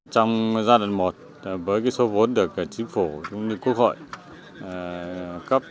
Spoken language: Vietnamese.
trong giai đoạn một với số vốn được chính phủ quốc hội cấp